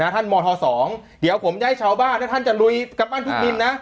มธ๒เดี๋ยวผมจะให้ชาวบ้านถ้าท่านจะลุยกำปั้นทุกดินนะ